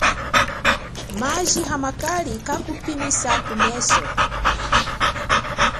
Maji amakali kakupihisa kumeso.